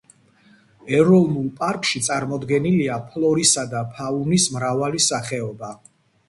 ეროვნულ პარკში წარმოდგენილია ფლორისა და ფაუნის მრავალი სახეობა.